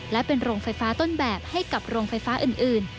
และเป็นโรงไฟฟ้าต้นแบบให้กับโรงไฟฟ้าอื่น